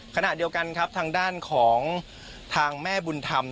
ขณะเดียวกันครับทางด้านของทางแม่บุญธรรม